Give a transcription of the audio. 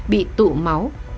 bị tụ máu